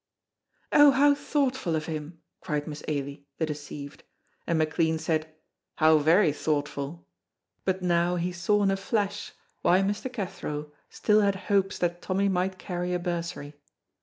"Oh, how thoughtful of him!" cried Miss Ailie, the deceived, and McLean said: "How very thoughtful!" but now he saw in a flash why Mr. Cathro still had hopes that Tommy might carry a bursary.